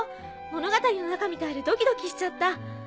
物語の中みたいでドキドキしちゃった。